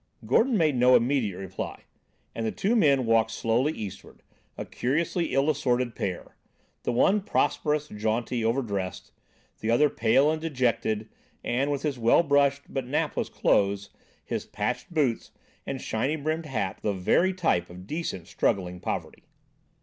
Gordon made no immediate reply, and the two men walked slowly eastward, a curiously ill assorted pair: the one prosperous, jaunty, overdressed; the other pale and dejected, and, with his well brushed but napless clothes, his patched boots and shiny brimmed hat, the very type of decent, struggling poverty.